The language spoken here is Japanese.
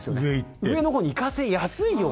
上の方に行かせやすいように。